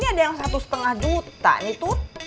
ini ada yang satu lima juta nih tuh